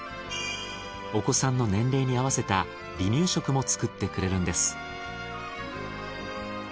お子さんの年齢に合わせた離乳食も作ってくれるんです。